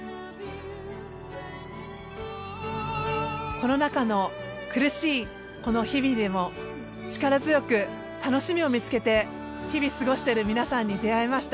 コロナ禍の苦しいこの日々でも力強く楽しみを見つけて日々過ごしてる皆さんに出会えました。